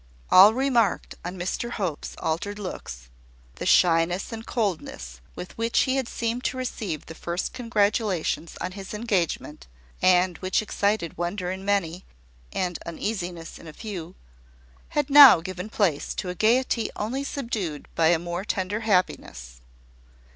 All remarked on Mr Hope's altered looks. The shyness and coldness with which he had seemed to receive the first congratulations on his engagement, and which excited wonder in many, and uneasiness in a few, had now given place to a gaiety only subdued by a more tender happiness.